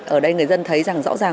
ở đây người dân thấy rằng rõ ràng